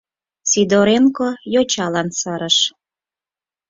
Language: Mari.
— Сидоренко йочалан сырыш.